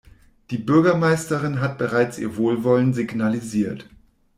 Die Bürgermeisterin hat bereits ihr Wohlwollen signalisiert.